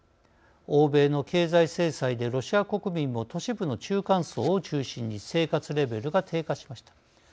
欧米の経済制裁でロシア国民も都市部の中間層を中心に生活レベルが低下しました。